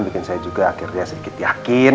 bikin saya juga akhirnya sedikit yakin